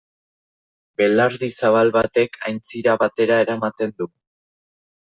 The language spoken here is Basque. Belardi zabal batek aintzira batetara eramaten du.